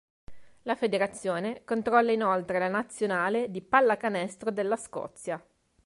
La federazione controlla inoltre la nazionale di pallacanestro della Scozia.